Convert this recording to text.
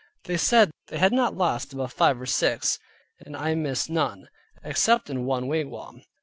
They said they had not lost above five or six; and I missed none, except in one wigwam.